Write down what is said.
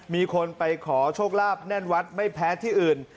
มีคนไปขอโชคลาภแน่นวัดไม่แพ้ที่อื่น